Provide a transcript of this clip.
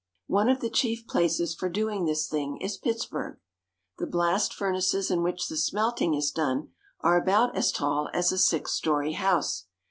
One of the chief places for doing this thing is Pittsburg. The blast furnaces in which the smelting is done are about as tall as a six story house.